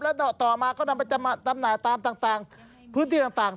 แล้วต่อมาก็นำไปจำหน่ายตามต่างพื้นที่ต่าง